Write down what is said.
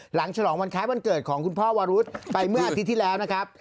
ฉลองวันคล้ายวันเกิดของคุณพ่อวารุธไปเมื่ออาทิตย์ที่แล้วนะครับ